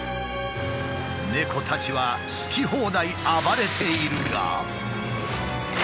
猫たちは好き放題暴れているが。